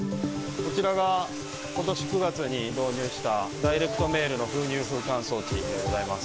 こちらが、ことし９月に導入したダイレクトメールの封入封かん装置でございます。